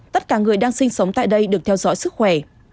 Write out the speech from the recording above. tất cả người đang sinh sống tại đây được theo dõi sức khỏe